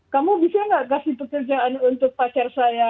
kamu bisa nggak kasih pekerjaan untuk pacar saya